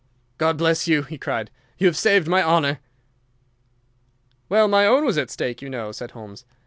"God bless you!" he cried. "You have saved my honour." "Well, my own was at stake, you know," said Holmes.